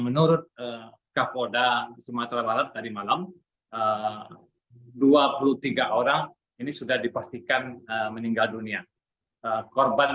menurut kapolda sumatera barat tadi malam dua puluh tiga orang ini sudah dipastikan meninggal dunia korban